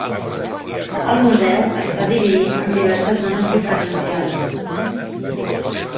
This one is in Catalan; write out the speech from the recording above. El Museu està dividit en diverses zones diferenciades.